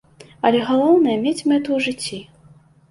Але галоўнае мець мэту ў жыцці.